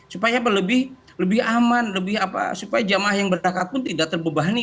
supaya lebih aman lebih apa supaya jamaah yang berangkat pun tidak terbebani